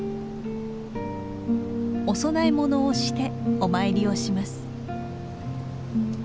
お供え物をしてお参りをします。